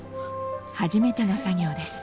初めての作業です。